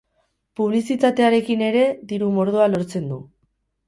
Publizitatearekin ere diru mordoa lortzen du.